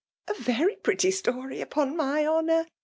A very pretty story, upon my honour